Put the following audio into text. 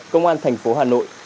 công an thành phố hà nội